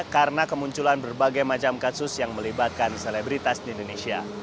karena kemunculan berbagai macam kasus yang melibatkan selebritas di indonesia